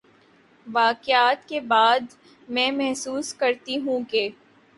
واقعات کے بعد میں محسوس کرتی ہوں کہ